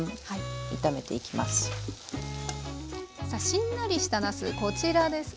しんなりしたなすこちらです。